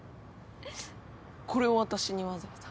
これを渡しにわざわざ？